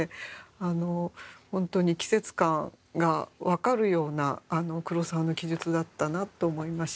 あのほんとに季節感が分かるようなあの黒澤の記述だったなと思いました。